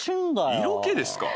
色気ですか？